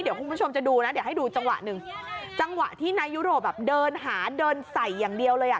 เดี๋ยวคุณผู้ชมจะดูนะเดี๋ยวให้ดูจังหวะหนึ่งจังหวะที่นายยุโรปแบบเดินหาเดินใส่อย่างเดียวเลยอ่ะ